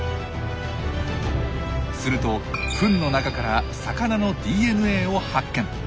するとフンの中から魚のＤＮＡを発見。